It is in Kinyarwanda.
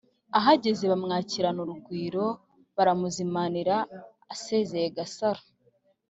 ahageze bamwakirana urugwiro, baramuzimanira, asezeye Gasaro